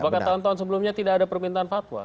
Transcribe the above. bahkan tahun tahun sebelumnya tidak ada permintaan fatwa